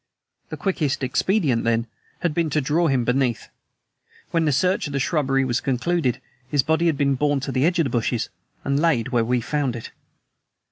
The quickest expedient, then, had been to draw him beneath. When the search of the shrubbery was concluded, his body had been borne to the edge of the bushes and laid where we found it.